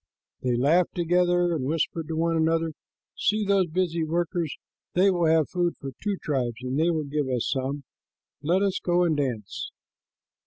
They laughed together and whispered to one another, "See those busy workers! They will have food for two tribes, and they will give us some. Let us go and dance."